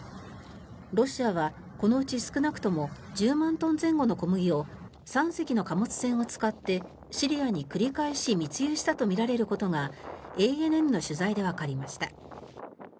ロシアはこのうち少なくとも１０万トン前後の小麦を３隻の貨物船を使ってシリアに繰り返し密輸したとみられることがＡＮＮの取材でわかりました。